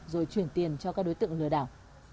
rồi chuyển tiền cho các đối tượng lừa đảo